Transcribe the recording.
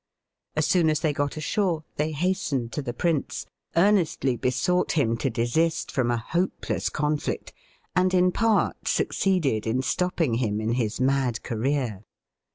As soon as they got ashore they hastened to the prince, earnestly besought him to desist from a hope less conflict, and in part succeeded in stopping him in his mad career.